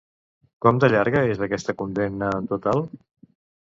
Com de llarga és aquesta condemna en total?